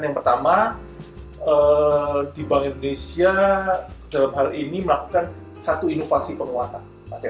yang pertama di bank indonesia dalam hal ini melakukan satu inovasi penguatan